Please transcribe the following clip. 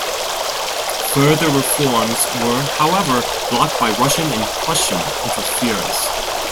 Further reforms were, however, blocked by Russian and Prussian interference.